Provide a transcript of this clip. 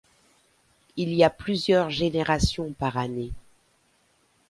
Il y a plusieurs générations par année.